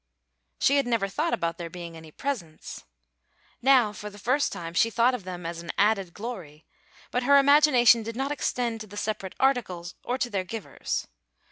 She had never thought about there being any presents. Now for the first time she thought of them as an added glory, but her imagination did not extend to the separate articles or to their givers.